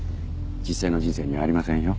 実際の人生にはありませんよ。